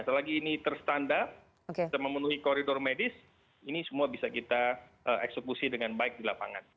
selagi ini terstandar kita memenuhi koridor medis ini semua bisa kita eksekusi dengan baik di lapangan